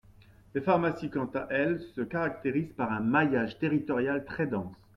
Les pharmacies, quant à elles, se caractérisent par un maillage territorial très dense.